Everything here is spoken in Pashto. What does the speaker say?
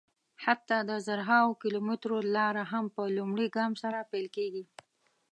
حتی د زرهاوو کیلومترو لاره هم په لومړي ګام سره پیل کېږي.